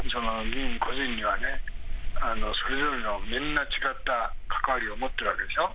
議員個人にはね、それぞれのみんな違った関わりを持ってるわけでしょ。